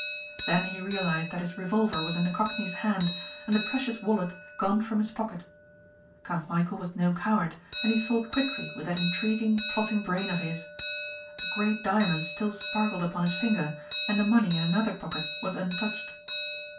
Then he realized that his revolver was in the cockney's hand and the precious wallet gone from his pocket. Count Michæl was no coward and he thought quickly with that intriguing, plotting brain of his. A great diamond still sparkled upon his finger and the money in another pocket was untouched.